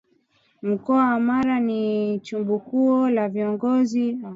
Mkoa wa Mara ni chimbuko la Viongozi mashuhuri